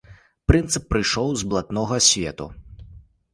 Прынцып прыйшоў з блатнога свету.